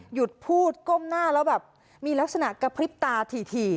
หยุดพูดก้มหน้าแล้วแบบมีลักษณะกระพริบตาถี่